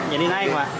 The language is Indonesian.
jadi naik pak